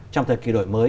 trong thời kỳ đổi mới